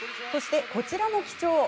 そして、こちらも貴重です。